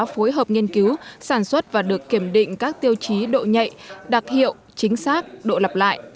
phối hợp nghiên cứu sản xuất và được kiểm định các tiêu chí độ nhạy đặc hiệu chính xác độ lập lại